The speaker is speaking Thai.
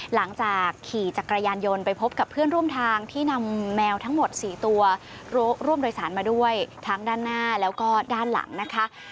หลังจากขี่จักรยานยนต์ไปพบกับเพื่อนร่วมทางที่นำแมวทั้งหมด๔ตัวร่วมโดยสารมาด้วยทั้งด้านหน้าแล้วก็ด้านหลังนะคะ